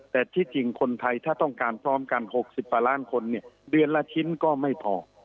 แต่ที่จริงคนไทยถ้าต้องการพร้อมกัน๖๐กว่าล้านคนเนี่ยเดือนละชิ้นก็ไม่พอ